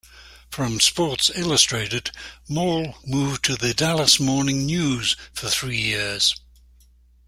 From "Sports Illustrated", Maule moved to "The Dallas Morning News" for three years.